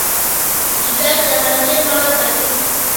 جګر زهرجن مواد پاکوي.